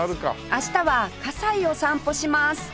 明日は西を散歩します